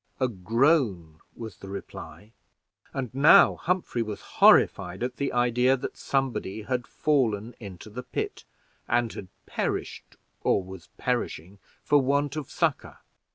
A groan was the reply, and now Humphrey was horrified with the idea that somebody had fallen into the pit, and had perished, or was perishing for want of succor.